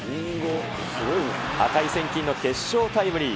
値千金の決勝タイムリー。